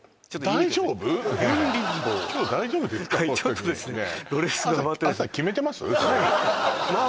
大丈夫ですね